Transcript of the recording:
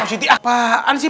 pak ustadz apaan sih